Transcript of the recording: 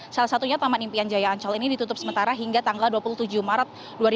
salah satunya taman impian jaya ancol ini ditutup sementara hingga tanggal dua puluh tujuh maret dua ribu dua puluh